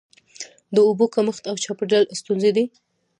د اوبو کمښت او چاپیریال ستونزې دي.